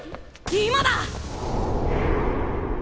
今だ！